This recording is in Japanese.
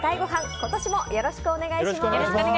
今年もよろしくお願いします。